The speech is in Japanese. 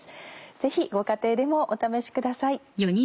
ぜひご家庭でもお試しください。